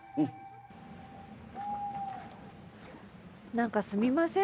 何かすみません